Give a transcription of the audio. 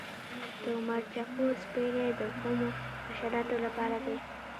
د مرچکو سپری د کومو حشراتو لپاره دی؟